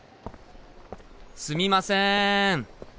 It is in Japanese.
すみません。